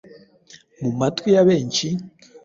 Mu matwi ya benshi,